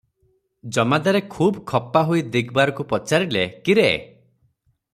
ଜମାଦାରେ ଖୁବ ଖପାହୋଇ ଦିଗବାରକୁ ପଚାରିଲେ,"କି ରେ?